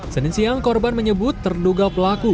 senin siang korban menyebut terduga pelaku